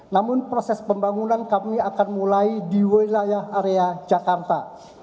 namun proses pembangunan kami akan mulai di wilayah area jakarta